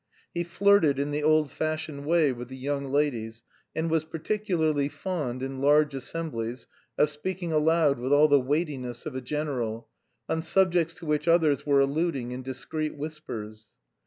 He flirted in the old fashioned way with the young ladies, and was particularly fond, in large assemblies, of speaking aloud with all the weightiness of a general, on subjects to which others were alluding in discreet whispers.